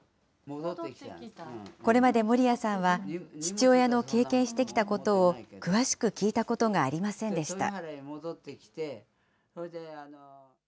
これまで守屋さんは、父親の経験してきたことを詳しく聞いたことがありませんでした。